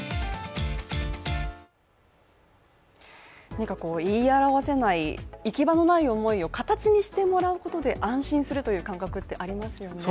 何か言い表せない、行き場のない思いを形にしてもらうことで安心するという感覚ってありますよね。